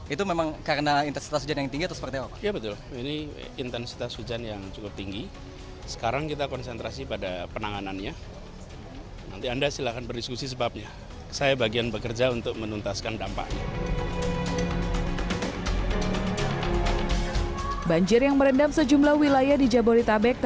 itu memang karena intensitas hujan yang tinggi atau seperti apa pak